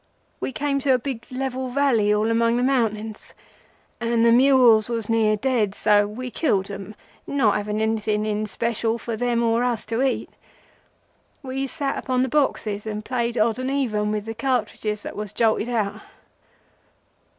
We came to a big level valley all among the mountains, and the mules were near dead, so we killed them, not having anything in special for them or us to eat. We sat upon the boxes, and played odd and even with the cartridges that was jolted out.